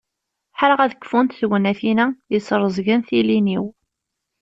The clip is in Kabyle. Ḥareɣ ad kfunt tegnatin-a yesrezgen tilin-iw.